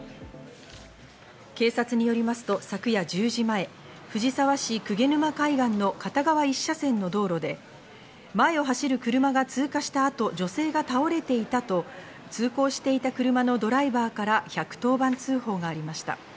警察によりますと昨夜１０時前、藤沢市鵠沼海岸の片側１車線の道路で前を走る車が通過した後、女性が倒れていたと通行していた車のドライバーから１１０番通報がありました。